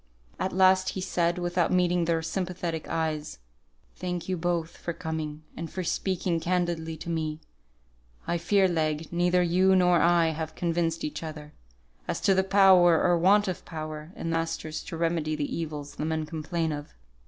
At last he said, without meeting their sympathetic eyes, "Thank you both for coming, and for speaking candidly to me. I fear, Legh, neither you nor I have convinced each other, as to the power, or want of power, in the masters to remedy the evils the men complain of."